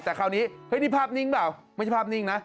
แต่คราวนี้เฮ้ยนี่ภาพนิ่งเปล่าไม่ใช่ภาพนิ่งนะ